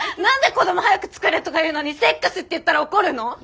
何で子ども早くつくれとか言うのにセックスって言ったら怒るの？